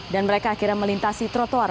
dan mereka akhirnya melintasi trotoar